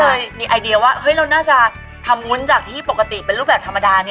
เลยมีไอเดียว่าเฮ้ยเราน่าจะทำวุ้นจากที่ปกติเป็นรูปแบบธรรมดา